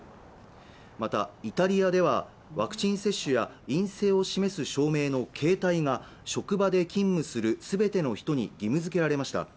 またイタリアではワクチン接種や陰性を示す証明の携帯が職場で勤務する全ての人に義務づけられました